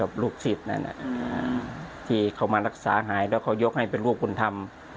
ลูกศิษย์นั่นที่เขามารักษาหายแล้วเขายกให้เป็นลูกบุญธรรม